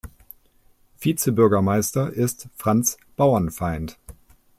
Vizebürgermeister ist Franz Bauernfeind.